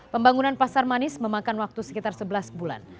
pembangunan pasar manis memakan waktu sekitar sebelas bulan